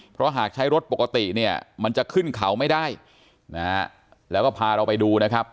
เพราะหากใช้รถปกติเนี่ยมันจะขึ้นเขาไม่ได้นะฮะแล้วก็พาเราไปดูนะครับ